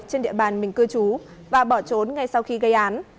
trên địa bàn mình cư trú và bỏ trốn ngay sau khi gây án